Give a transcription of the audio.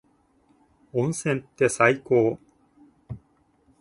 温泉って最高。